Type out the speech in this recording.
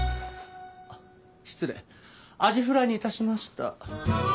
あっ失礼アジフライに致しました。